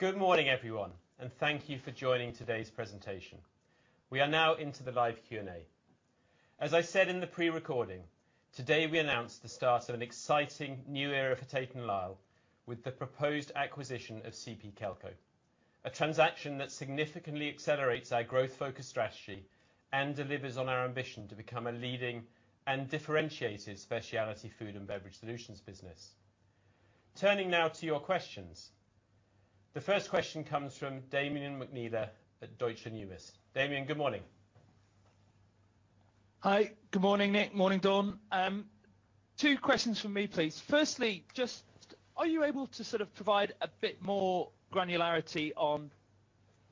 Good morning, everyone, and thank you for joining today's presentation. We are now into the live Q&A. As I said in the pre-recording, today we announce the start of an exciting new era for Tate & Lyle, with the proposed acquisition of CP Kelco. A transaction that significantly accelerates our growth-focused strategy and delivers on our ambition to become a leading and differentiated specialty food and beverage solutions business. Turning now to your questions. The first question comes from Damian McNeela at Deutsche Numis. Damian, good morning. Hi, good morning, Nick. Morning, Dawn. Two questions from me, please. Firstly, just are you able to sort of provide a bit more granularity on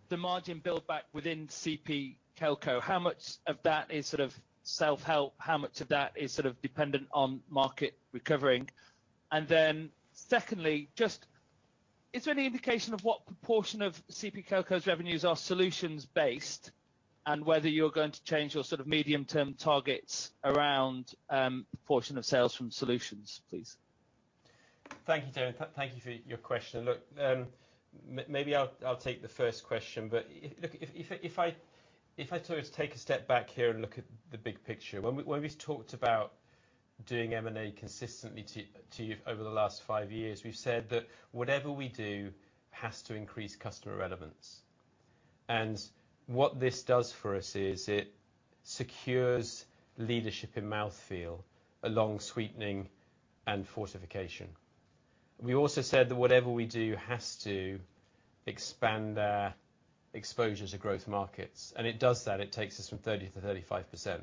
the margin buildback within CP Kelco? How much of that is sort of self-help? How much of that is sort of dependent on market recovering? And then, secondly, just is there any indication of what proportion of CP Kelco's revenues are solutions-based, and whether you're going to change your sort of medium-term targets around, proportion of sales from solutions, please? Thank you, Damian. Thank you for your question. Look, maybe I'll take the first question, but look, if I sort of take a step back here and look at the big picture, when we've talked about doing M&A consistently to you over the last five years, we've said that whatever we do has to increase customer relevance. And what this does for us is it secures leadership in mouthfeel, along sweetening and fortification. We also said that whatever we do has to expand our exposure to growth markets, and it does that. It takes us from 30%-35%.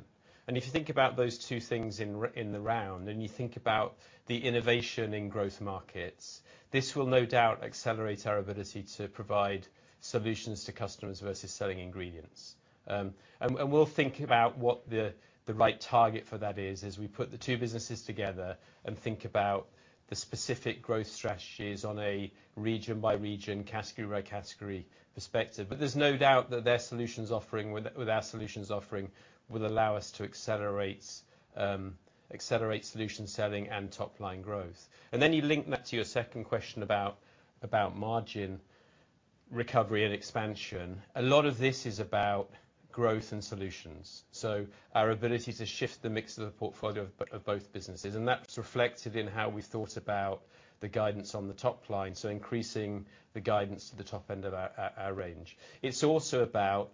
And if you think about those two things in the round, and you think about the innovation in growth markets, this will no doubt accelerate our ability to provide solutions to customers versus selling ingredients. And we'll think about what the right target for that is, as we put the two businesses together and think about the specific growth strategies on a region-by-region, category-by-category perspective. But there's no doubt that their solutions offering with our solutions offering will allow us to accelerate solution selling and top-line growth. And then you link that to your second question about margin recovery and expansion. A lot of this is about growth and solutions, so our ability to shift the mix of the portfolio of both businesses, and that's reflected in how we thought about the guidance on the top line, so increasing the guidance to the top end of our range. It's also about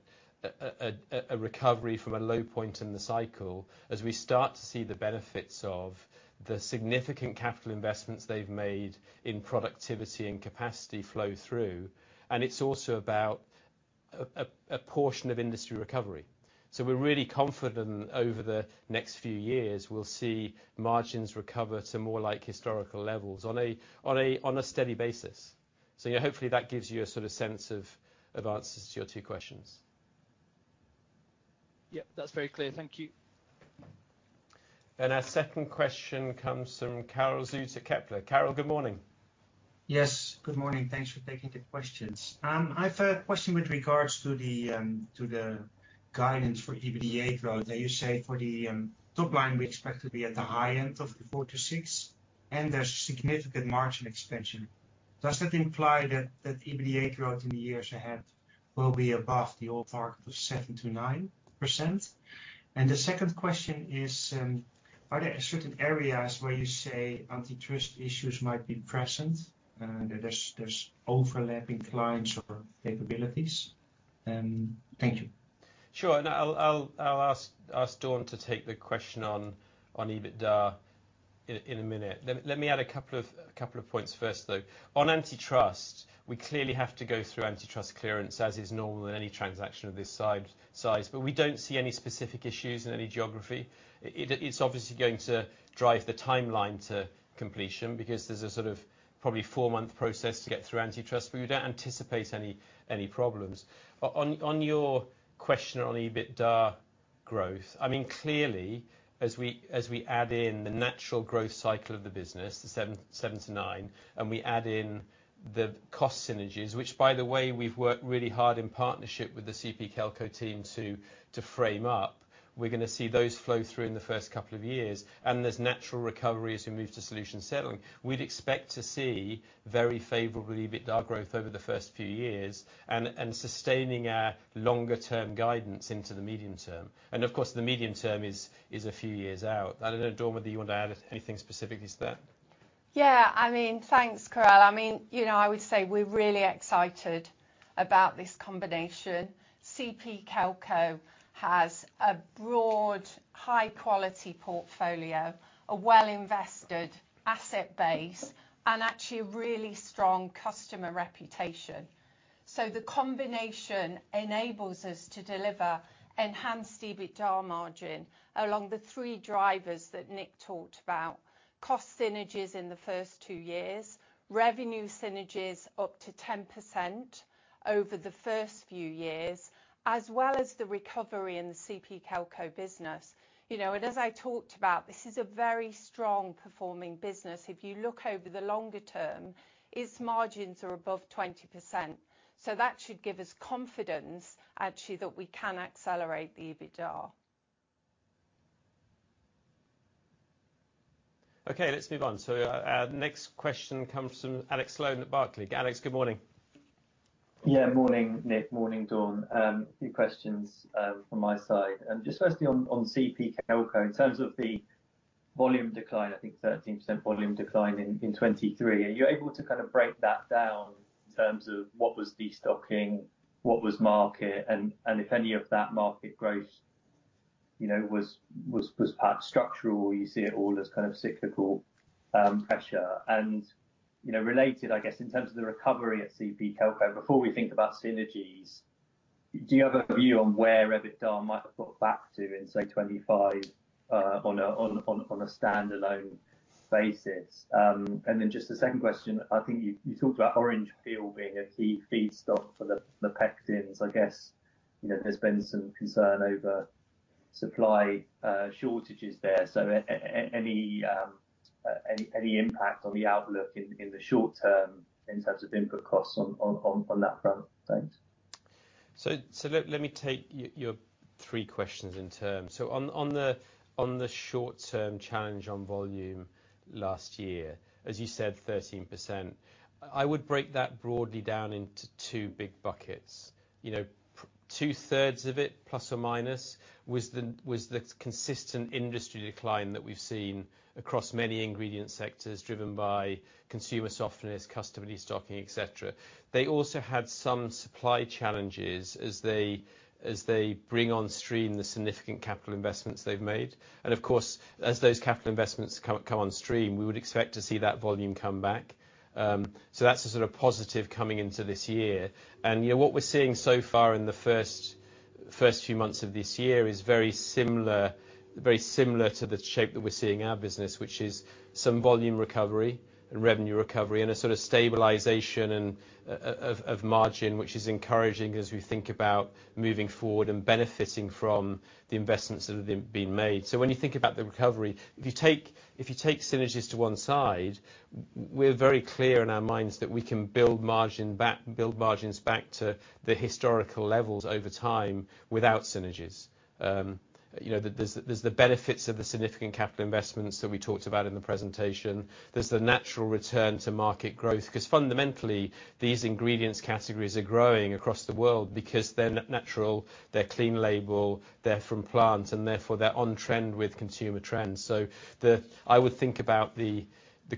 a recovery from a low point in the cycle as we start to see the benefits of the significant capital investments they've made in productivity and capacity flow through, and it's also about a portion of industry recovery. So we're really confident over the next few years, we'll see margins recover to more like historical levels on a steady basis. So yeah, hopefully, that gives you a sort of sense of answers to your two questions. Yep, that's very clear. Thank you. Our second question comes from Karel Zoete at Kepler. Karel, good morning. Yes, good morning. Thanks for taking the questions. I've a question with regards to the guidance for EBITDA growth. Now, you say for the top line, we expect to be at the high end of the 4%-6%, and there's significant margin expansion. Does that imply that EBITDA growth in the years ahead will be above the old mark of 7%-9%? And the second question is, are there certain areas where you say antitrust issues might be present, and there's overlapping clients or capabilities? Thank you. Sure, I'll ask Dawn to take the question on EBITDA in a minute. Let me add a couple of points first, though. On antitrust, we clearly have to go through antitrust clearance, as is normal in any transaction of this size, but we don't see any specific issues in any geography. It's obviously going to drive the timeline to completion because there's a sort of probably 4-month process to get through antitrust, but we don't anticipate any problems. On your question on EBITDA growth, I mean, clearly, as we add in the natural growth cycle of the business, the 7%-9%, and we add in the cost synergies, which by the way, we've worked really hard in partnership with the CP Kelco team to frame up, we're gonna see those flow through in the first couple of years. And there's natural recovery as we move to solution selling. We'd expect to see very favorable EBITDA growth over the first few years and sustaining our longer-term guidance into the medium term. And of course, the medium term is a few years out. I don't know, Dawn, whether you want to add anything specifically to that? Yeah, I mean, thanks, Karel. I mean, you know, I would say we're really excited about this combination. CP Kelco has a broad, high-quality portfolio, a well-invested asset base, and actually a really strong customer reputation. So the combination enables us to deliver enhanced EBITDA margin along the three drivers that Nick talked about: cost synergies in the first two years, revenue synergies up to 10% over the first few years, as well as the recovery in the CP Kelco business. You know, and as I talked about, this is a very strong-performing business. If you look over the longer term, its margins are above 20%, so that should give us confidence, actually, that we can accelerate the EBITDA. Okay, let's move on. So, our next question comes from Alex Sloane at Barclays. Alex, good morning. Yeah, morning, Nick. Morning, Dawn. A few questions from my side, and just firstly on CP Kelco. In terms of the volume decline, I think 13% volume decline in 2023. Are you able to kind of break that down in terms of what was destocking, what was market? And if any of that market growth, you know, was part structural, or you see it all as kind of cyclical pressure. And, you know, related, I guess, in terms of the recovery at CP Kelco, before we think about synergies, do you have a view on where EBITDA might have got back to in, say, 2025 on a standalone basis? And then just the second question, I think you talked about orange peel being a key feedstock for the pectins. I guess, you know, there's been some concern over supply shortages there. So any impact on the outlook in the short term in terms of input costs on that front? Thanks. So let me take your three questions in turn. So on the short-term challenge on volume last year, as you said, 13%, I would break that broadly down into two big buckets. You know, 2/3 of it, plus or minus, was the consistent industry decline that we've seen across many ingredient sectors, driven by consumer softness, customer destocking, et cetera. They also had some supply challenges as they bring on stream the significant capital investments they've made. And of course, as those capital investments come on stream, we would expect to see that volume come back. So that's a sort of positive coming into this year. You know, what we're seeing so far in the first few months of this year is very similar to the shape that we're seeing in our business, which is some volume recovery and revenue recovery, and a sort of stabilization of margin, which is encouraging as we think about moving forward and benefiting from the investments that have been made. So when you think about the recovery, if you take synergies to one side, we're very clear in our minds that we can build margins back to the historical levels over time without synergies. You know, there's the benefits of the significant capital investments that we talked about in the presentation. There's the natural return to market growth, because fundamentally, these ingredients categories are growing across the world because they're natural, they're clean label, they're from plants, and therefore, they're on trend with consumer trends. So I would think about the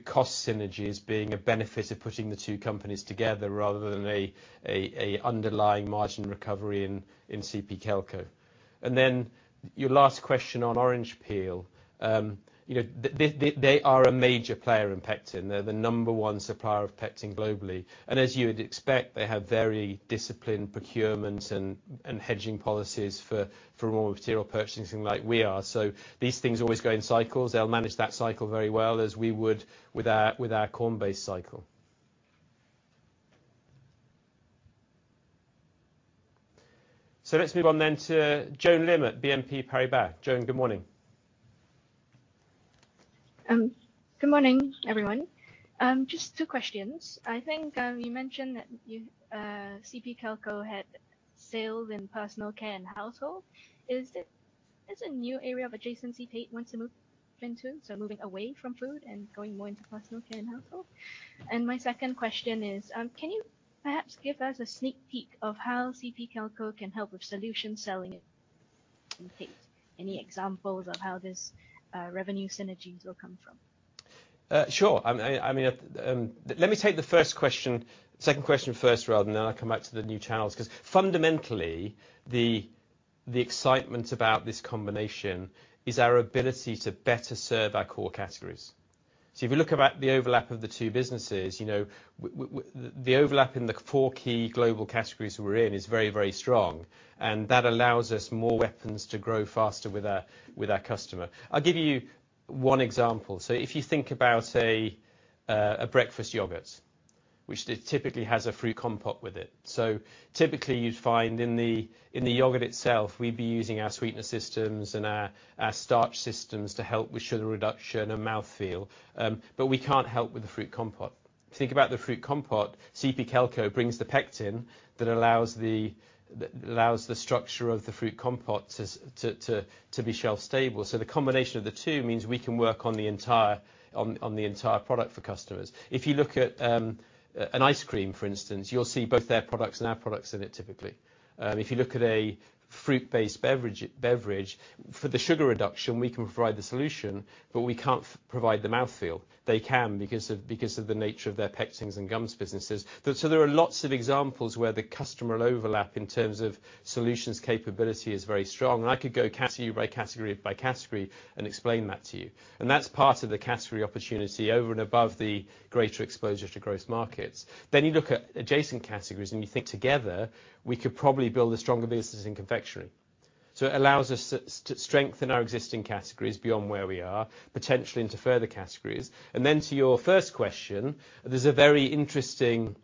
cost synergies being a benefit of putting the two companies together, rather than a underlying margin recovery in CP Kelco. And then your last question on orange peel. You know, they are a major player in pectin. They're the number one supplier of pectin globally, and as you would expect, they have very disciplined procurements and hedging policies for raw material purchasing, like we are. So these things always go in cycles. They'll manage that cycle very well, as we would with our corn-based cycle. So let's move on then to Joan Lim at BNP Paribas. Joan, good morning. Good morning, everyone. Just two questions. I think you mentioned that CP Kelco had sales in personal care and household. Is a new area of adjacency Tate wants to move into, so moving away from food and going more into personal care and household? And my second question is, can you perhaps give us a sneak peek of how CP Kelco can help with solution selling at Tate? Any examples of how this revenue synergies will come from? Sure. I mean, let me take the first question, second question first, rather, and then I'll come back to the new channels, because fundamentally, the excitement about this combination is our ability to better serve our core categories. So if you look about the overlap of the two businesses, you know, the overlap in the four key global categories we're in is very, very strong, and that allows us more weapons to grow faster with our, with our customer. I'll give you one example. So if you think about, say, a breakfast yogurt, which typically has a fruit compote with it. So typically, you'd find in the, in the yogurt itself, we'd be using our sweetener systems and our, our starch systems to help with sugar reduction and mouthfeel, but we can't help with the fruit compote. If you think about the fruit compote, CP Kelco brings the pectin that allows the structure of the fruit compote to be shelf stable. So the combination of the two means we can work on the entire product for customers. If you look at an ice cream, for instance, you'll see both their products and our products in it, typically. If you look at a fruit-based beverage for the sugar reduction, we can provide the solution, but we can't provide the mouthfeel. They can, because of the nature of their pectins and gums businesses. So there are lots of examples where the customer overlap, in terms of solutions capability, is very strong. And I could go category by category and explain that to you. That's part of the category opportunity over and above the greater exposure to growth markets. You look at adjacent categories, and you think together, we could probably build a stronger business in confectionery. It allows us to strengthen our existing categories beyond where we are, potentially into further categories. To your first question, there's a very interesting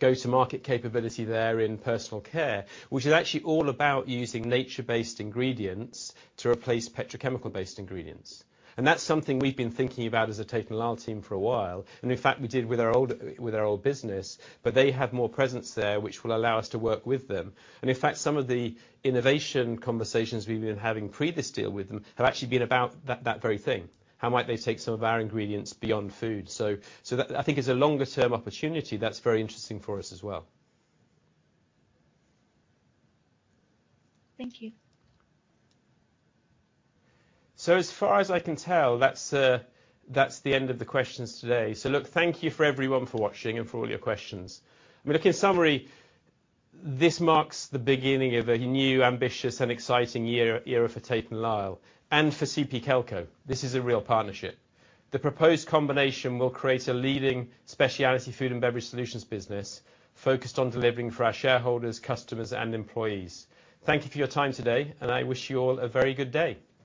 go-to-market capability there in personal care, which is actually all about using nature-based ingredients to replace petrochemical-based ingredients. That's something we've been thinking about as a Tate & Lyle team for a while, and in fact, we did with our old business. They have more presence there, which will allow us to work with them. Some of the innovation conversations we've been having pre this deal with them have actually been about that very thing. How might they take some of our ingredients beyond food? So that, I think, is a longer-term opportunity that's very interesting for us as well. Thank you. As far as I can tell, that's the end of the questions today. Look, thank you everyone for watching and for all your questions. I mean, look, in summary, this marks the beginning of a new, ambitious, and exciting year, era for Tate & Lyle and for CP Kelco. This is a real partnership. The proposed combination will create a leading specialty food and beverage solutions business focused on delivering for our shareholders, customers, and employees. Thank you for your time today, and I wish you all a very good day.